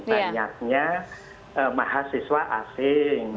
banyaknya mahasiswa asing